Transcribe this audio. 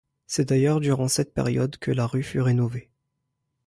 C'est d'ailleurs durant cette période que la rue fut rénovée.